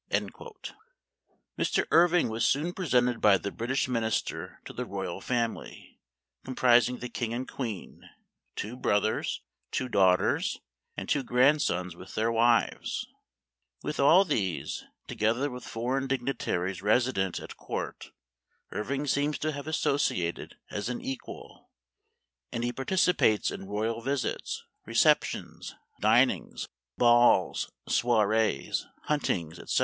Memoir of Washington Irving. 123 Mr. Irving was soon presented by the British Minister to the royal family, comprising the King and Queen, two brothers, two daughters, and two grandsons with their wives. With all these, together with foreign dignitaries resident at Court, Irving seems to have associated as an equal ; and he participates in royal visits, re ceptions, dinings, balls, soirees, huntings, etc.